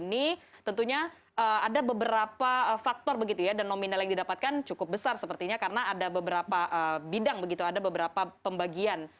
ini tentunya ada beberapa faktor begitu ya dan nominal yang didapatkan cukup besar sepertinya karena ada beberapa bidang begitu ada beberapa pembagian